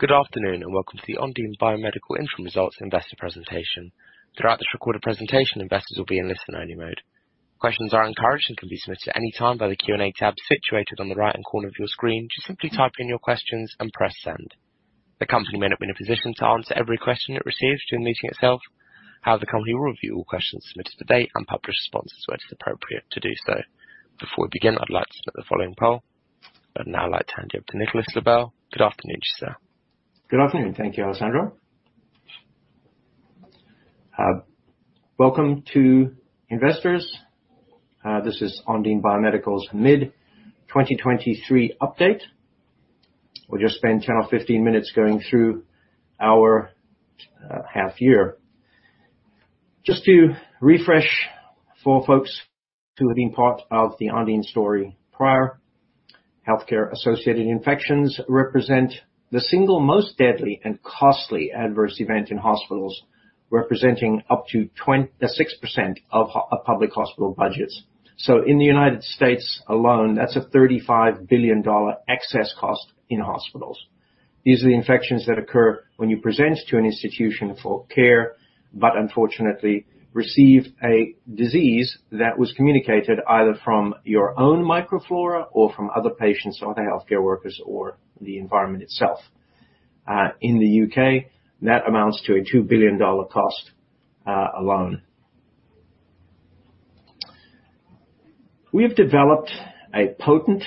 Good afternoon, and welcome to the Ondine Biomedical Interim Results Investor Presentation. Throughout this recorded presentation, investors will be in listen-only mode. Questions are encouraged and can be submitted at any time by the Q&A tab situated on the right-hand corner of your screen. Just simply type in your questions and press Send. The company may not be in a position to answer every question it receives during the meeting itself. However, the company will review all questions submitted today and publish responses where it is appropriate to do so. Before we begin, I'd like to start the following poll. I'd now like to hand you over to Nicolas G. Loebel. Good afternoon, sir. Good afternoon. Thank you, Alessandro. Welcome to investors. This is Ondine Biomedical's mid-2023 update. We'll just spend 10 or 15 minutes going through our half year. Just to refresh for folks who have been part of the Ondine story prior, healthcare-associated infections represent the single most deadly and costly adverse event in hospitals, representing up to 26% of public hospital budgets. In the United States alone, that's a $35 billion excess cost in hospitals. These are the infections that occur when you present to an institution for care, but unfortunately receive a disease that was communicated either from your own microflora or from other patients, or the healthcare workers, or the environment itself. In the U.K., that amounts to a $2 billion cost alone. We have developed a potent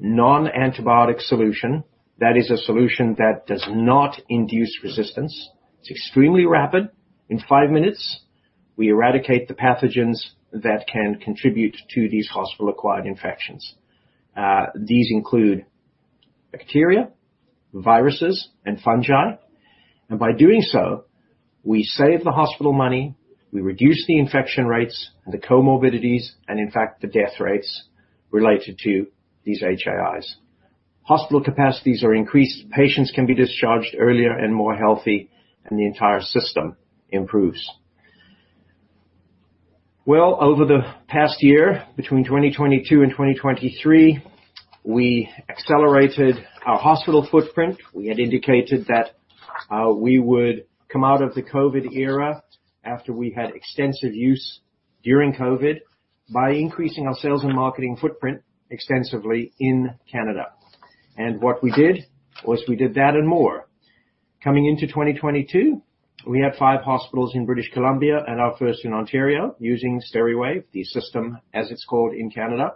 non-antibiotic solution that is a solution that does not induce resistance. It's extremely rapid. In five minutes, we eradicate the pathogens that can contribute to these hospital-acquired infections. These include bacteria, viruses, and fungi, and by doing so, we save the hospital money, we reduce the infection rates and the comorbidities, and in fact, the death rates related to these HAIs. Hospital capacities are increased, patients can be discharged earlier and more healthy, and the entire system improves. Well, over the past year, between 2022 and 2023, we accelerated our hospital footprint. We had indicated that we would come out of the COVID era after we had extensive use during COVID, by increasing our sales and marketing footprint extensively in Canada. And what we did was we did that and more. Coming into 2022, we had five hospitals in British Columbia and our first in Ontario using Steriwave, the system as it's called in Canada,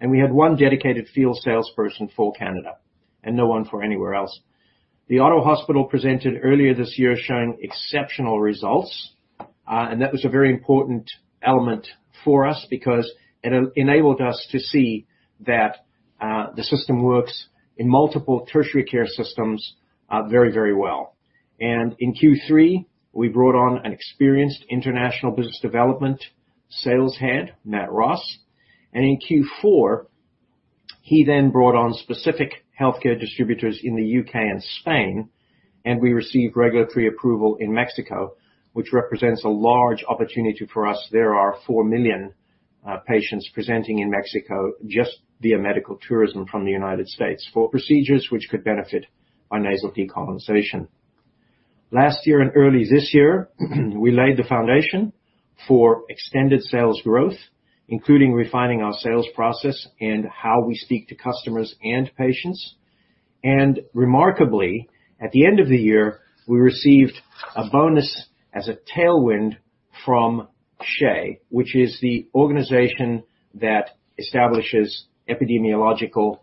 and we had 1 dedicated field salesperson for Canada and no one for anywhere else. The Ottawa Hospital presented earlier this year, showing exceptional results, and that was a very important element for us because it enabled us to see that, the system works in multiple tertiary care systems, very, very well. And in Q3, we brought on an experienced international business development sales head, Matt Ross, and in Q4, he then brought on specific healthcare distributors in the U.K. and Spain, and we received regulatory approval in Mexico, which represents a large opportunity for us. There are 4 million patients presenting in Mexico, just via medical tourism from the United States, for procedures which could benefit by nasal decolonization. Last year and early this year, we laid the foundation for extended sales growth, including refining our sales process and how we speak to customers and patients. And remarkably, at the end of the year, we received a bonus as a tailwind from SHEA, which is the organization that establishes epidemiological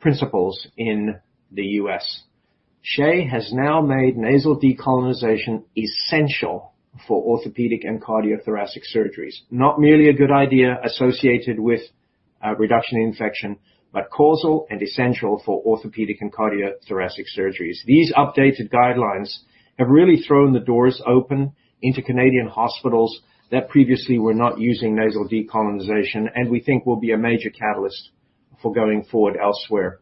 principles in the U.S. SHEA has now made nasal decolonization essential for orthopedic and cardiothoracic surgeries. Not merely a good idea associated with reduction in infection, but causal and essential for orthopedic and cardiothoracic surgeries. These updated guidelines have really thrown the doors open into Canadian hospitals that previously were not using nasal decolonization, and we think will be a major catalyst for going forward elsewhere.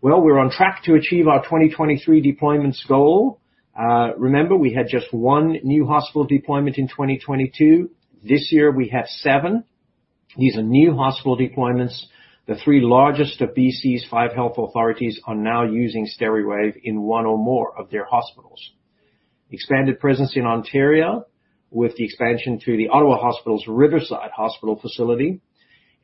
Well, we're on track to achieve our 2023 deployments goal. Remember, we had just one new hospital deployment in 2022. This year, we have seven. These are new hospital deployments. The three largest of BC's five health authorities are now using Steriwave in one or more of their hospitals. Expanded presence in Ontario, with the expansion to the Ottawa Hospital's Riverside Hospital facility,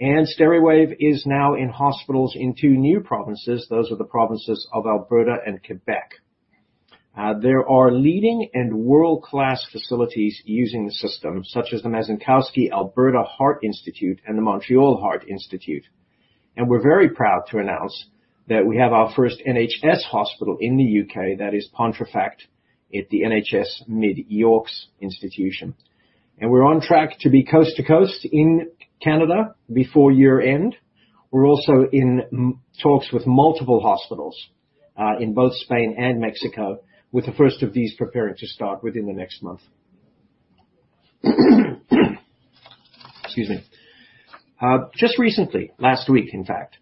and Steriwave is now in hospitals in two new provinces. Those are the provinces of Alberta and Quebec. There are leading and world-class facilities using the system, such as the Mazankowski Alberta Heart Institute and the Montreal Heart Institute. We're very proud to announce that we have our first NHS hospital in the U.K., that is Pontefract, at the Mid Yorkshire Teaching NHS Trust. We're on track to be coast to coast in Canada before year-end. We're also in talks with multiple hospitals in both Spain and Mexico, with the first of these preparing to start within the next month. Excuse me. Just recently, last week, in fact,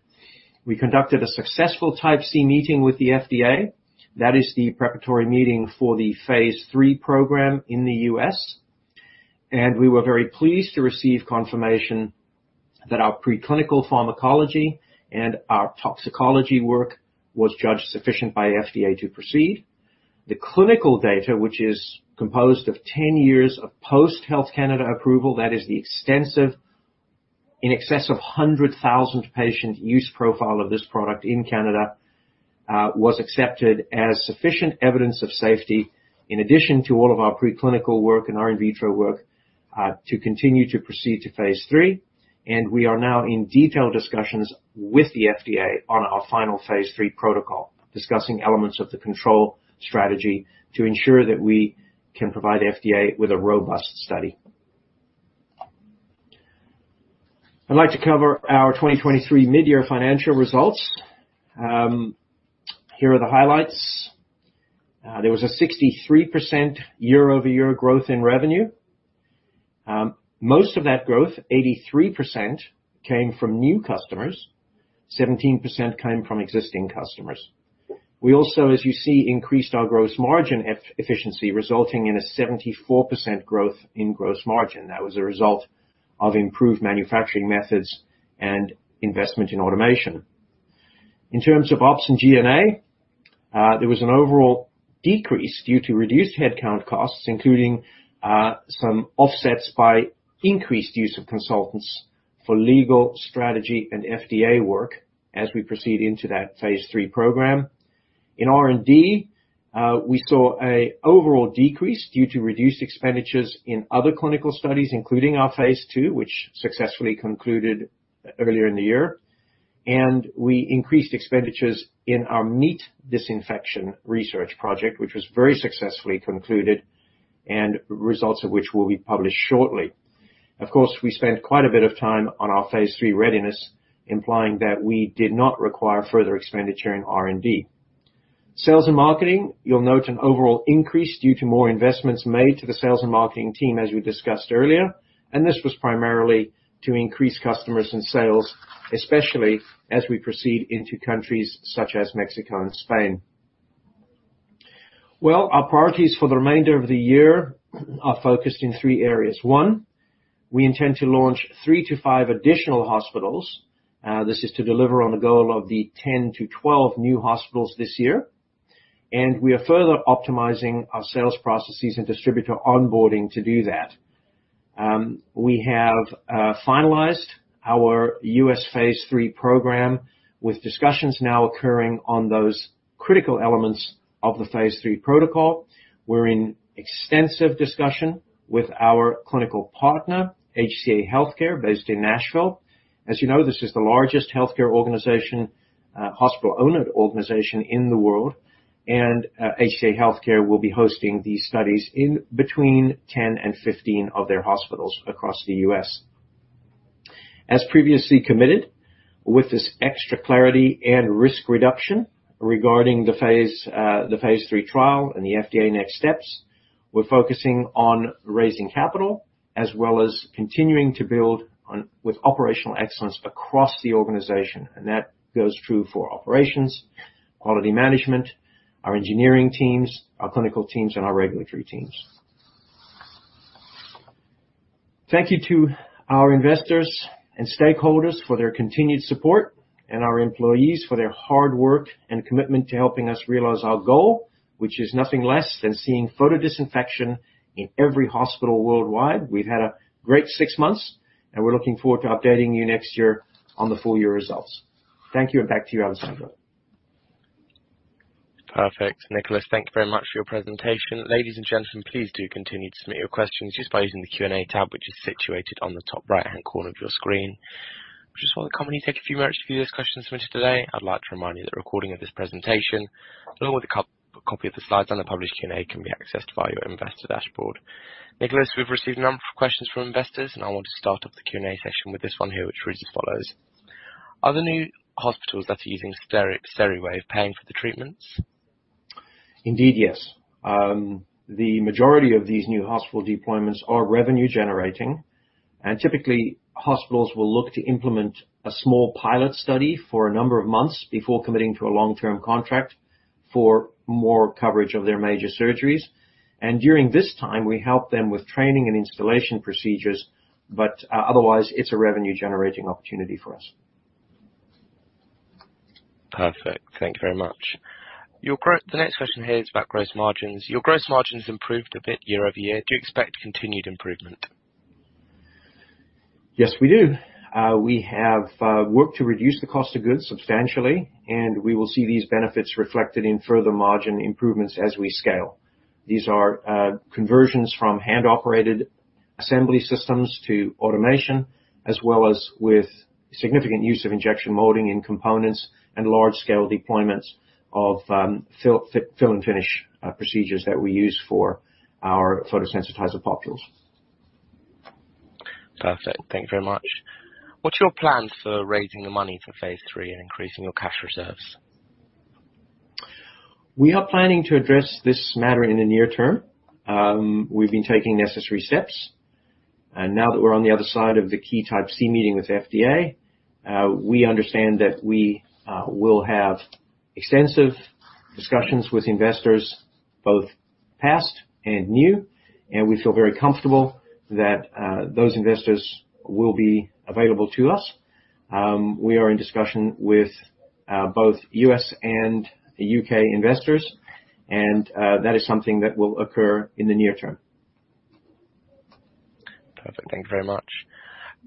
we conducted a successful Type C meeting with the FDA. That is the preparatory meeting for the phase III program in the U.S., and we were very pleased to receive confirmation that our preclinical pharmacology and our toxicology work was judged sufficient by FDA to proceed. The clinical data, which is composed of 10 years of post Health Canada approval, that is the extensive, in excess of 100,000 patient use profile of this product in Canada, was accepted as sufficient evidence of safety, in addition to all of our preclinical work and our in vitro work, to continue to proceed to phase III. We are now in detailed discussions with the FDA on our final phase III protocol, discussing elements of the control strategy to ensure that we can provide the FDA with a robust study. I'd like to cover our 2023 mid-year financial results. Here are the highlights. There was a 63% year-over-year growth in revenue. Most of that growth, 83%, came from new customers, 17% came from existing customers. We also, as you see, increased our gross margin efficiency, resulting in a 74% growth in gross margin. That was a result of improved manufacturing methods and investment in automation. In terms of OpEx and G&A, there was an overall decrease due to reduced headcount costs, including some offsets by increased use of consultants for legal, strategy, and FDA work as we proceed into that phase III program. In R&D, we saw an overall decrease due to reduced expenditures in other clinical studies, including our phase II, which successfully concluded earlier in the year. We increased expenditures in our MRSA disinfection research project, which was very successfully concluded, and results of which will be published shortly. Of course, we spent quite a bit of time on our phase III readiness, implying that we did not require further expenditure in R&D. Sales and marketing, you'll note an overall increase due to more investments made to the sales and marketing team, as we discussed earlier, and this was primarily to increase customers and sales, especially as we proceed into countries such as Mexico and Spain. Well, our priorities for the remainder of the year are focused in three areas. One, we intend to launch 3-5 additional hospitals. This is to deliver on the goal of the 10-12 new hospitals this year, and we are further optimizing our sales processes and distributor onboarding to do that. We have finalized our U.S. phase III program, with discussions now occurring on those critical elements of the phase III protocol. We're in extensive discussion with our clinical partner, HCA Healthcare, based in Nashville. As you know, this is the largest healthcare organization, hospital-owned organization in the world, and HCA Healthcare will be hosting these studies in between 10 and 15 of their hospitals across the U.S. As previously committed, with this extra clarity and risk reduction regarding the phase III trial and the FDA next steps, we're focusing on raising capital, as well as continuing to build on with operational excellence across the organization, and that goes true for operations, quality management, our engineering teams, our clinical teams, and our regulatory teams. Thank you to our investors and stakeholders for their continued support, and our employees for their hard work and commitment to helping us realize our goal, which is nothing less than seeing photodisinfection in every hospital worldwide. We've had a great six months, and we're looking forward to updating you next year on the full year results. Thank you, and back to you, Alessandro. Perfect. Nicolas, thank you very much for your presentation. Ladies and gentlemen, please do continue to submit your questions just by using the Q&A tab, which is situated on the top right-hand corner of your screen. Just while the company take a few moments to view those questions submitted today, I'd like to remind you that a recording of this presentation, along with a copy of the slides and the published Q&A, can be accessed via your investor dashboard. Nicolas, we've received a number of questions from investors, and I want to start off the Q&A session with this one here, which reads as follows: Are the new hospitals that are using Steriwave paying for the treatments? Indeed, yes. The majority of these new hospital deployments are revenue generating, and typically hospitals will look to implement a small pilot study for a number of months before committing to a long-term contract for more coverage of their major surgeries. And during this time, we help them with training and installation procedures, but otherwise, it's a revenue generating opportunity for us. Perfect. Thank you very much. The next question here is about gross margins. Your gross margins improved a bit year-over-year. Do you expect continued improvement? Yes, we do. We have worked to reduce the cost of goods substantially, and we will see these benefits reflected in further margin improvements as we scale. These are conversions from hand-operated assembly systems to automation, as well as with significant use of injection molding in components and large scale deployments of fill and finish procedures that we use for our photosensitizer bottles. Perfect. Thank you very much. What's your plan for raising the money for phase III and increasing your cash reserves? We are planning to address this matter in the near term. We've been taking the necessary steps, and now that we're on the other side of the key Type C meeting with FDA, we understand that we will have extensive discussions with investors, both past and new, and we feel very comfortable that those investors will be available to us. We are in discussion with both U.S. and the U.K. investors, and that is something that will occur in the near term. Perfect. Thank you very much.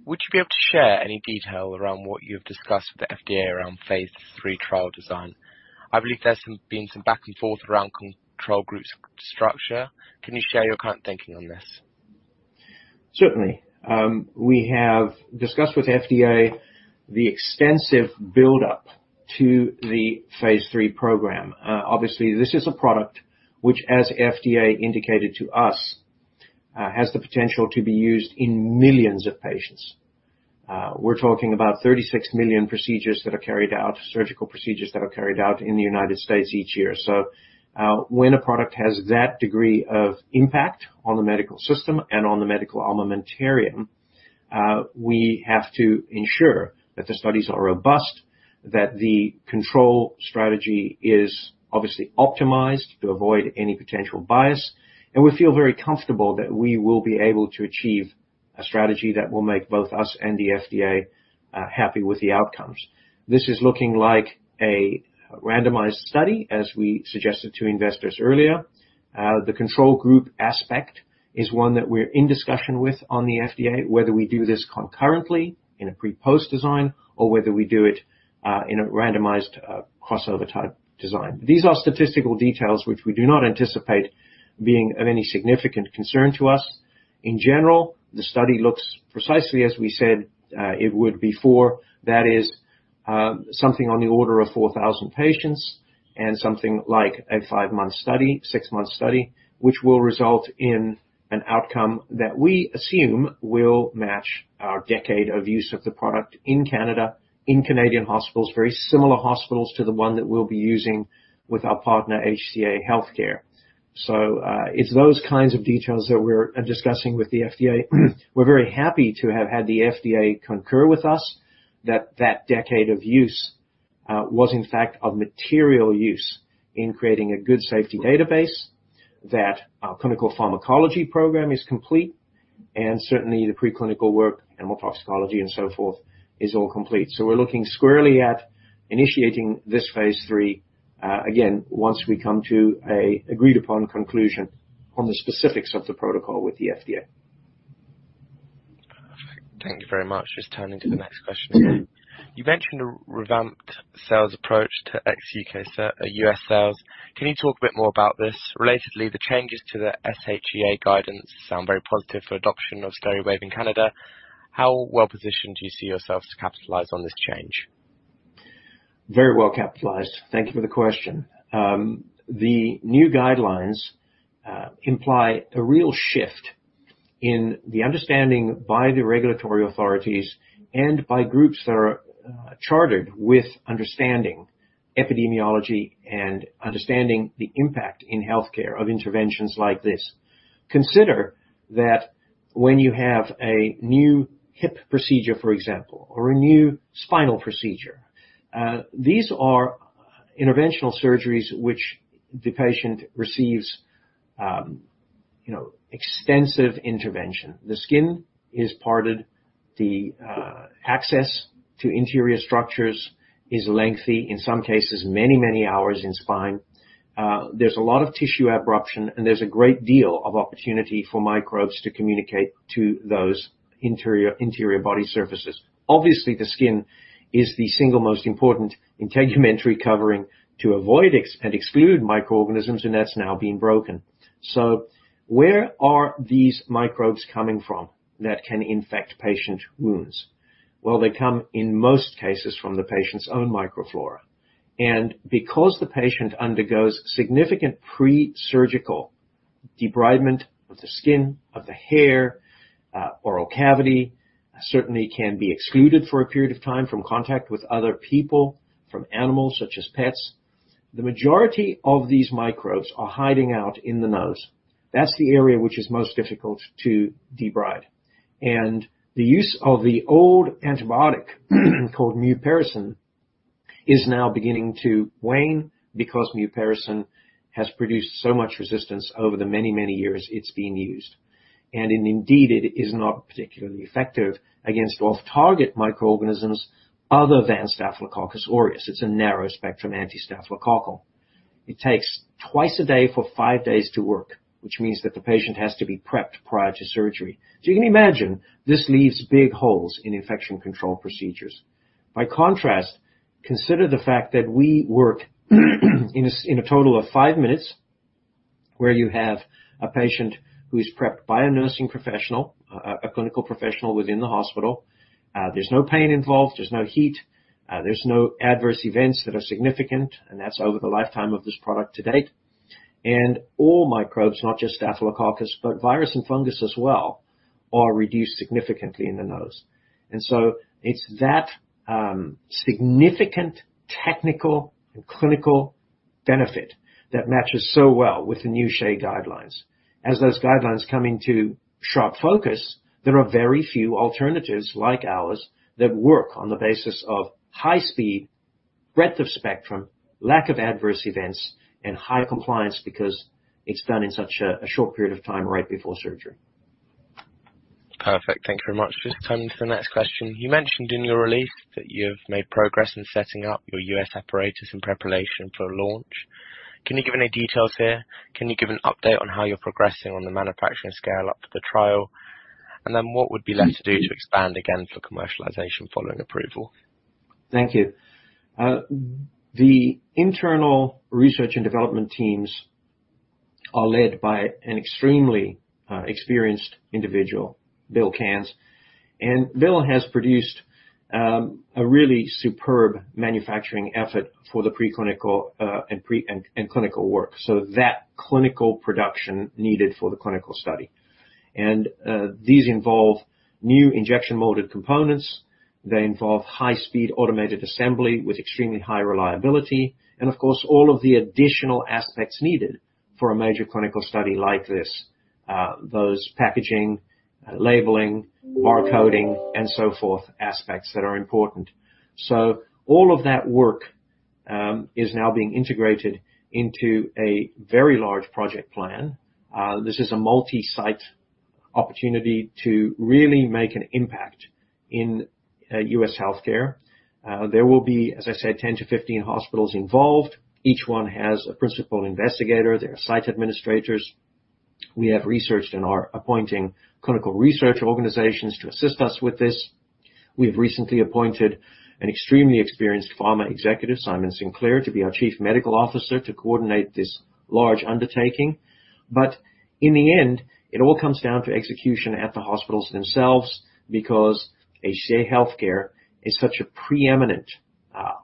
Would you be able to share any detail around what you've discussed with the FDA around phase III trial design? I believe there's been some back and forth around control groups structure. Can you share your current thinking on this? Certainly. We have discussed with the FDA the extensive buildup to the phase III program. Obviously, this is a product which, as FDA indicated to us, has the potential to be used in millions of patients. We're talking about 36 million procedures that are carried out, surgical procedures that are carried out in the United States each year. So, when a product has that degree of impact on the medical system and on the medical armamentarium, we have to ensure that the studies are robust, that the control strategy is obviously optimized to avoid any potential bias, and we feel very comfortable that we will be able to achieve a strategy that will make both us and the FDA happy with the outcomes. This is looking like a randomized study, as we suggested to investors earlier. The control group aspect is one that we're in discussion with on the FDA, whether we do this concurrently in a pre-post design or whether we do it in a randomized crossover type design. These are statistical details which we do not anticipate being of any significant concern to us. In general, the study looks precisely as we said it would before. That is, something on the order of 4,000 patients and something like a five month study, six month study, which will result in an outcome that we assume will match our decade of use of the product in Canada, in Canadian hospitals, very similar hospitals to the one that we'll be using with our partner, HCA Healthcare. So, it's those kinds of details that we're discussing with the FDA. We're very happy to have had the FDA concur with us, that that decade of use was in fact of material use in creating a good safety database, that our clinical pharmacology program is complete, and certainly the preclinical work, animal toxicology and so forth, is all complete. So we're looking squarely at initiating this phase III, again, once we come to a agreed upon conclusion on the specifics of the protocol with the FDA. Perfect. Thank you very much. Just turning to the next question. You mentioned a revamped sales approach to ex-U.K., U.S. sales. Can you talk a bit more about this? Relatedly, the changes to the SHEA guidance sound very positive for adoption of Steriwave in Canada. How well-positioned do you see yourselves to capitalize on this change? Very well capitalized. Thank you for the question. The new guidelines imply a real shift in the understanding by the regulatory authorities and by groups that are chartered with understanding epidemiology and understanding the impact in healthcare of interventions like this. Consider that when you have a new hip procedure, for example, or a new spinal procedure, these are interventional surgeries which the patient receives, you know, extensive intervention. The skin is parted. The access to interior structures is lengthy, in some cases, many, many hours in spine. There's a lot of tissue abruption, and there's a great deal of opportunity for microbes to communicate to those interior, interior body surfaces. Obviously, the skin is the single most important integumentary covering to avoid exposure and exclude microorganisms, and that's now been broken. So where are these microbes coming from that can infect patient wounds? Well, they come, in most cases, from the patient's own microflora, and because the patient undergoes significant pre-surgical debridement of the skin, of the hair, oral cavity, certainly can be excluded for a period of time from contact with other people, from animals such as pets, the majority of these microbes are hiding out in the nose. That's the area which is most difficult to debride. The use of the old antibiotic, called mupirocin, is now beginning to wane because mupirocin has produced so much resistance over the many, many years it's been used. Indeed, it is not particularly effective against off-target microorganisms other than Staphylococcus aureus. It's a narrow-spectrum antistaphylococcal. It takes twice a day for five days to work, which means that the patient has to be prepped prior to surgery. So you can imagine this leaves big holes in infection control procedures. By contrast, consider the fact that we work in a total of 5 minutes, where you have a patient who is prepped by a nursing professional, a clinical professional within the hospital. There's no pain involved, there's no heat, there's no adverse events that are significant, and that's over the lifetime of this product to date. And all microbes, not just Staphylococcus, but virus and fungus as well, are reduced significantly in the nose. And so it's that significant technical and clinical benefit that matches so well with the new HCA guidelines. As those guidelines come into sharp focus, there are very few alternatives like ours that work on the basis of high speed, breadth of spectrum, lack of adverse events, and high compliance because it's done in such a short period of time right before surgery. Perfect. Thank you very much. Just turning to the next question. You mentioned in your release that you've made progress in setting up your U.S. apparatus in preparation for launch. Can you give any details here? Can you give an update on how you're progressing on the manufacturing scale up to the trial? And then what would be left to do to expand again for commercialization following approval? Thank you. The internal research and development teams are led by an extremely experienced individual, Bill Kanz. And Bill has produced a really superb manufacturing effort for the preclinical and clinical work, so that clinical production needed for the clinical study. These involve new injection molded components. They involve high-speed automated assembly with extremely high reliability, and of course, all of the additional aspects needed for a major clinical study like this, those packaging, labeling, bar coding, and so forth, aspects that are important. So all of that work is now being integrated into a very large project plan. This is a multi-site opportunity to really make an impact in U.S. healthcare. There will be, as I said, 10-15 hospitals involved. Each one has a principal investigator. There are site administrators. We have researched and are appointing clinical research organizations to assist us with this. We've recently appointed an extremely experienced pharma executive, Simon Sinclair, to be our Chief Medical Officer, to coordinate this large undertaking. But in the end, it all comes down to execution at the hospitals themselves, because HCA Healthcare is such a preeminent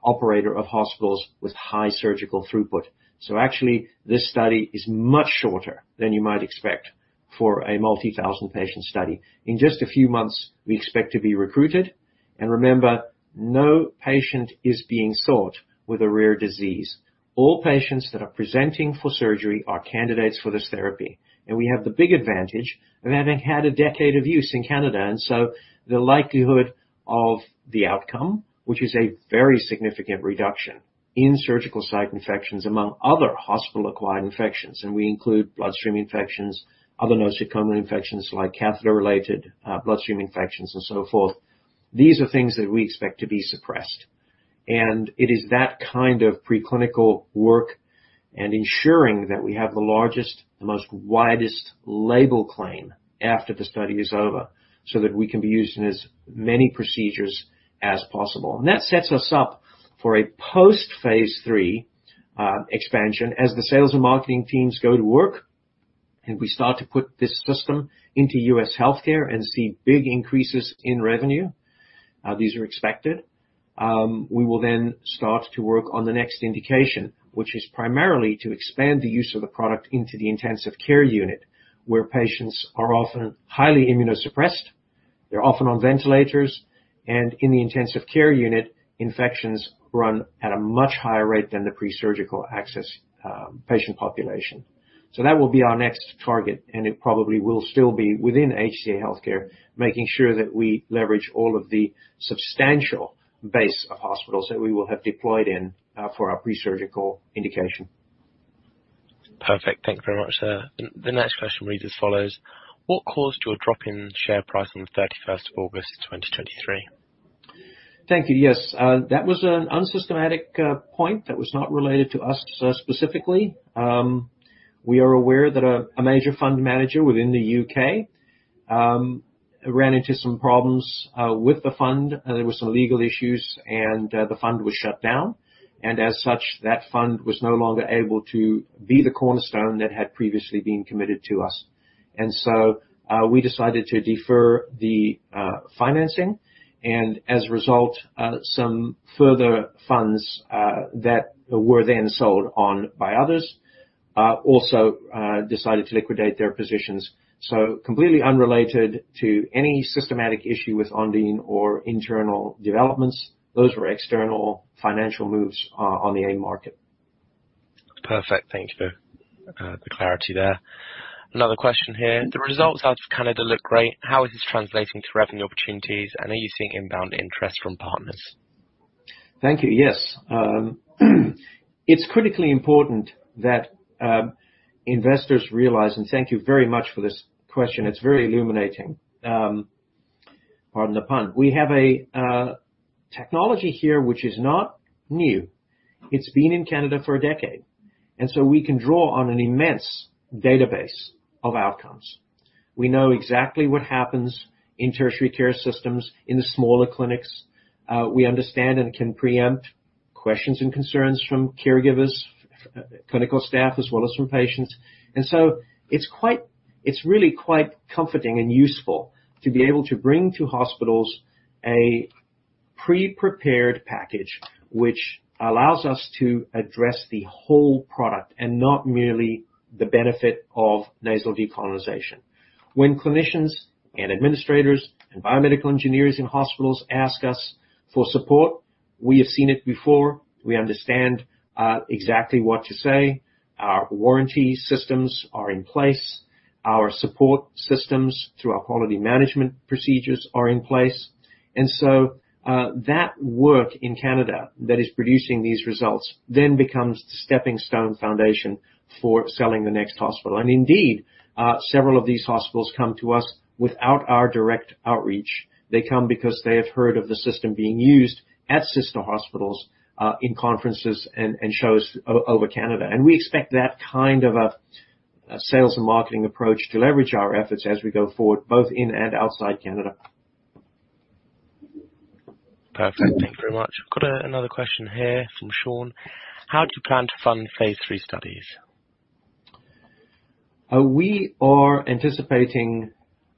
operator of hospitals with high surgical throughput. So actually, this study is much shorter than you might expect for a multi-thousand patient study. In just a few months, we expect to be recruited, and remember, no patient is being sought with a rare disease. All patients that are presenting for surgery are candidates for this therapy. We have the big advantage of having had a decade of use in Canada, and so the likelihood of the outcome, which is a very significant reduction in surgical site infections among other hospital-acquired infections, and we include bloodstream infections, other nosocomial infections like catheter-related, bloodstream infections and so forth. These are things that we expect to be suppressed. It is that kind of preclinical work and ensuring that we have the largest, the most widest label claim after the study is over, so that we can be used in as many procedures as possible. That sets us up for a post-phase III expansion as the sales and marketing teams go to work, and we start to put this system into U.S. healthcare and see big increases in revenue. These are expected. We will then start to work on the next indication, which is primarily to expand the use of the product into the intensive care unit, where patients are often highly immunosuppressed, they're often on ventilators, and in the intensive care unit, infections run at a much higher rate than the presurgical access, patient population. So that will be our next target, and it probably will still be within HCA Healthcare, making sure that we leverage all of the substantial base of hospitals that we will have deployed in, for our presurgical indication. Perfect. Thank you very much, sir. The next question reads as follows: What caused your drop in share price on the 31st of August, 2023? Thank you. Yes, that was an unsystematic point that was not related to us specifically. We are aware that a major fund manager within the U.K. ran into some problems with the fund. There were some legal issues and, the fund was shut down, and as such, that fund was no longer able to be the cornerstone that had previously been committed to us. And so, we decided to defer the financing, and as a result, some further funds that were then sold on by others also decided to liquidate their positions. So completely unrelated to any systematic issue with Ondine or internal developments. Those were external financial moves on the AIM market. Perfect. Thank you for the clarity there. Another question here: The results out of Canada look great. How is this translating to revenue opportunities, and are you seeing inbound interest from partners? Thank you. Yes. It's critically important that investors realize, and thank you very much for this question. It's very illuminating, pardon the pun. We have a technology here, which is not new. It's been in Canada for a decade, and so we can draw on an immense database of outcomes. We know exactly what happens in tertiary care systems, in the smaller clinics. We understand and can preempt questions and concerns from caregivers, clinical staff, as well as from patients. And so it's quite. It's really quite comforting and useful to be able to bring to hospitals a pre-prepared package, which allows us to address the whole product and not merely the benefit of nasal decolonization. When clinicians, administrators, and biomedical engineers in hospitals ask us for support, we have seen it before. We understand exactly what to say. Our warranty systems are in place, our support systems through our quality management procedures are in place. And so, that work in Canada that is producing these results, then becomes the stepping stone foundation for selling the next hospital. And indeed, several of these hospitals come to us without our direct outreach. They come because they have heard of the system being used at sister hospitals, in conferences and shows over Canada. And we expect that kind of a sales and marketing approach to leverage our efforts as we go forward, both in and outside Canada. Perfect. Thank you very much. I've got another question here from Sean: How do you plan to fund phase III studies? We are anticipating,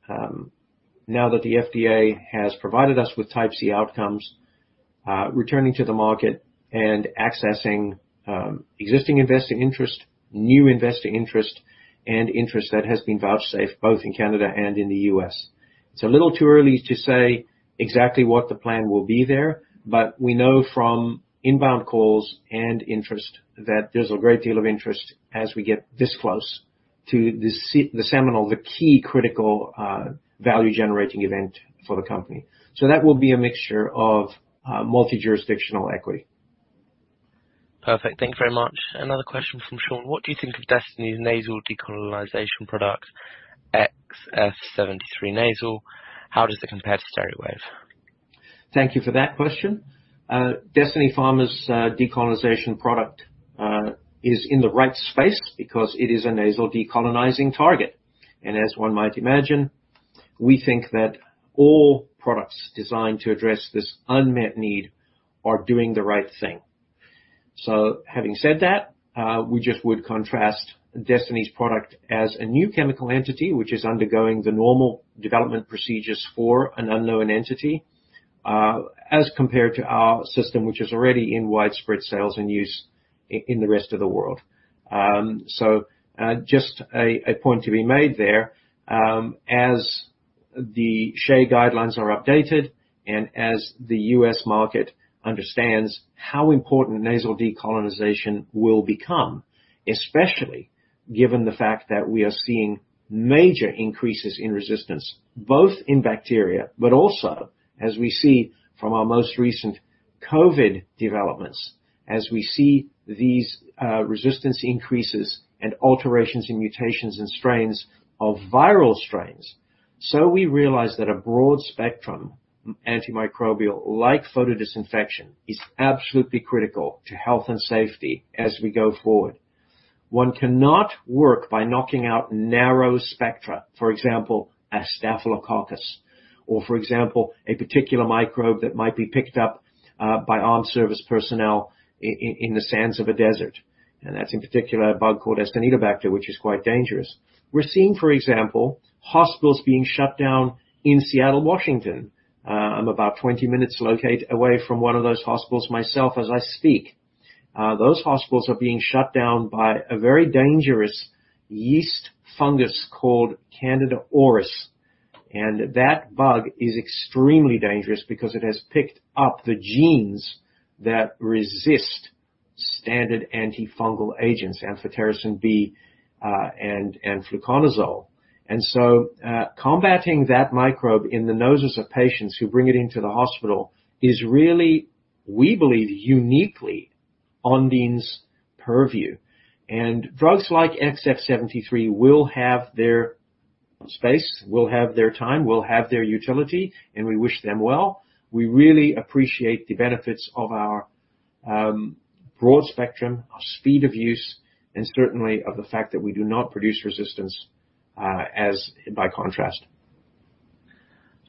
now that the FDA has provided us with Type C outcomes, returning to the market and accessing existing investing interest, new investing interest, and interest that has been vouchsafed both in Canada and in the U.S. It's a little too early to say exactly what the plan will be there, but we know from inbound calls and interest that there's a great deal of interest as we get this close to the seminal, the key critical, value-generating event for the company. So that will be a mixture of multi-jurisdictional equity. Perfect. Thank you very much. Another question from Sean: What do you think of Destiny's nasal decolonization product, XF-73 Nasal? How does it compare to Steriwave? Thank you for that question. Destiny Pharma's decolonization product is in the right space because it is a nasal decolonizing target. And as one might imagine, we think that all products designed to address this unmet need are doing the right thing. So having said that, we just would contrast Destiny's product as a new chemical entity, which is undergoing the normal development procedures for an unknown entity, as compared to our system, which is already in widespread sales and use in the rest of the world. So, just a point to be made there, as the SHEA guidelines are updated and as the U.S. market understands how important nasal decolonization will become, especially given the fact that we are seeing major increases in resistance, both in bacteria, but also as we see from our most recent COVID developments. As we see these resistance increases and alterations in mutations and strains of viral strains. So we realize that a broad spectrum antimicrobial, like photodisinfection, is absolutely critical to health and safety as we go forward. One cannot work by knocking out narrow spectra, for example, Staphylococcus. Or, for example, a particular microbe that might be picked up by armed service personnel in the sands of a desert, and that's in particular, a bug called Acinetobacter, which is quite dangerous. We're seeing, for example, hospitals being shut down in Seattle, Washington. I'm about 20 minutes away from one of those hospitals myself as I speak. Those hospitals are being shut down by a very dangerous yeast fungus called Candida auris, and that bug is extremely dangerous because it has picked up the genes that resist standard antifungal agents, amphotericin B, and fluconazole. So, combating that microbe in the noses of patients who bring it into the hospital is really, we believe, uniquely on Ondine's purview. And drugs like XF-73 will have their space, will have their time, will have their utility, and we wish them well. We really appreciate the benefits of our broad spectrum, our speed of use, and certainly of the fact that we do not produce resistance, as by contrast.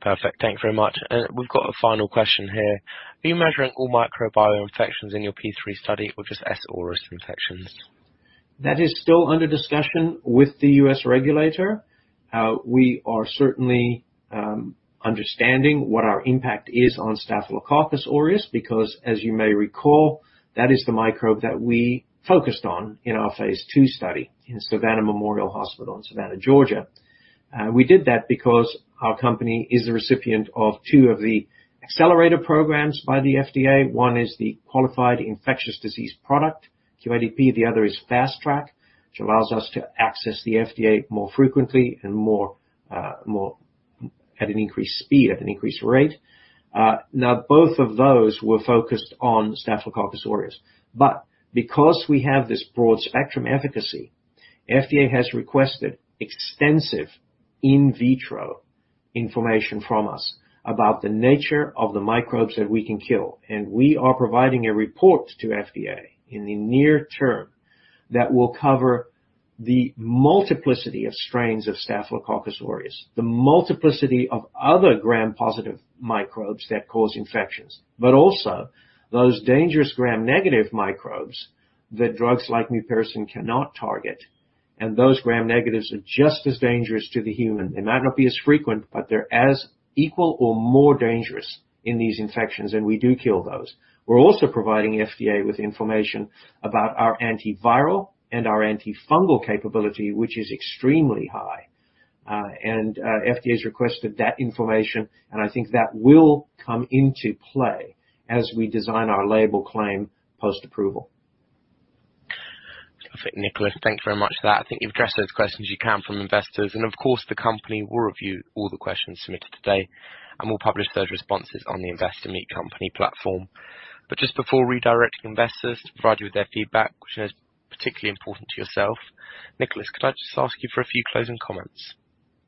Perfect. Thank you very much. We've got a final question here: Are you measuring all microbiome infections in your Phase III study or just S. aureus infections? That is still under discussion with the U.S. regulator. We are certainly understanding what our impact is on Staphylococcus aureus, because as you may recall, that is the microbe that we focused on in our phase II study in Savannah Memorial Hospital in Savannah, Georgia. We did that because our company is the recipient of 2 of the accelerator programs by the FDA. One is the Qualified Infectious Disease Product, QIDP. The other is Fast Track, which allows us to access the FDA more frequently and more at an increased speed, at an increased rate. Now, both of those were focused on Staphylococcus aureus. But because we have this broad spectrum efficacy, FDA has requested extensive in vitro information from us, about the nature of the microbes that we can kill. We are providing a report to FDA in the near term, that will cover the multiplicity of strains of Staphylococcus aureus, the multiplicity of other Gram-positive microbes that cause infections. But also, those dangerous Gram-negative microbes, that drugs like mupirocin cannot target, and those Gram-negatives are just as dangerous to the human. They might not be as frequent, but they're as equal or more dangerous in these infections, and we do kill those. We're also providing FDA with information about our antiviral and our antifungal capability, which is extremely high, and FDA's requested that information, and I think that will come into play as we design our label claim post-approval. Perfect, Nicolas. Thank you very much for that. I think you've addressed those questions you can from investors, and of course, the company will review all the questions submitted today, and we'll publish those responses on the Investor Meet Company platform. But just before redirecting investors to provide you with their feedback, which is particularly important to yourself, Nicolas, could I just ask you for a few closing comments?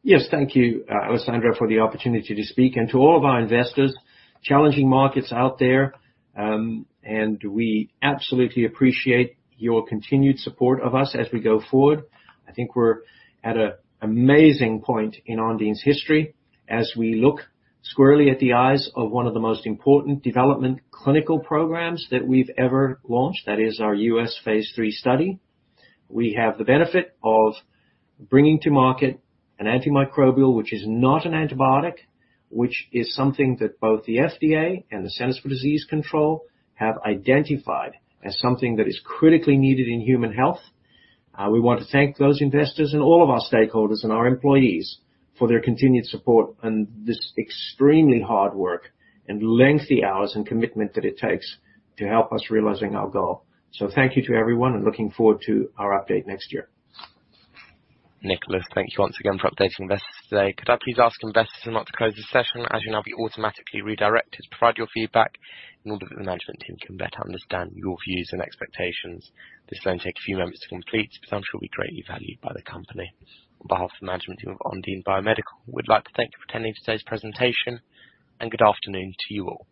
Yes. Thank you, Alessandro, for the opportunity to speak. To all of our investors, challenging markets out there, and we absolutely appreciate your continued support of us as we go forward. I think we're at an amazing point in Ondine's history as we look squarely at the eyes of one of the most important development clinical programs that we've ever launched. That is our U.S. phase III study. We have the benefit of bringing to market an antimicrobial, which is not an antibiotic, which is something that both the FDA and the Centers for Disease Control have identified as something that is critically needed in human health. We want to thank those investors and all of our stakeholders and our employees for their continued support and this extremely hard work, and lengthy hours in commitment that it takes to help us realizing our goal. Thank you to everyone, and looking forward to our update next year. Nicolas, thank you once again for updating investors today. Could I please ask investors not to close this session, as you'll now be automatically redirected to provide your feedback in order that the management team can better understand your views and expectations. This may take a few moments to complete, but I'm sure will be greatly valued by the company. On behalf of the management team of Ondine Biomedical, we'd like to thank you for attending today's presentation, and good afternoon to you all.